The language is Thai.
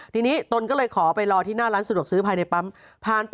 ทีนี้ตนก็เลยขอไปรอที่หน้าร้านสะดวกซื้อภายในปั๊ม